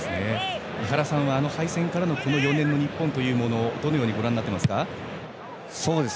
井原さんは、あの敗戦からこの４年の日本をどのようにご覧になっていますか。